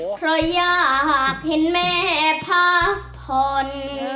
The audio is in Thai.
เพราะอยากเห็นแม่พักผ่อน